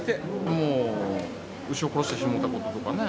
もう牛を殺してしもうたこととかね。